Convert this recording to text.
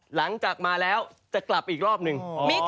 หลังจากมาแล้วจะกลับอีกรอบหนึ่ง